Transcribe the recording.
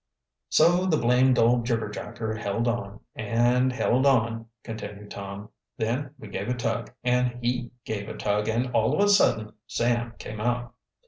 "So the blamed old jibberjacker held on and held on," continued Tom. "Then we gave a tug and he gave a tug, and all of a sudden Sam came out.